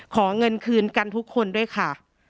ขอเงินคืนกันทุกคนด้วยค่ะ